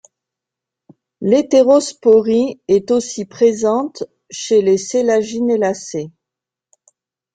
L'hétérosporie est aussi présente chez les Sélaginellacées.